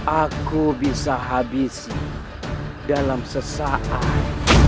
aku bisa habisi dalam sesaat